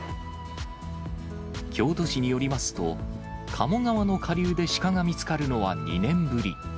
京都市によりますと、鴨川の下流で鹿が見つかるのは２年ぶり。